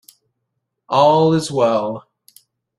All is well.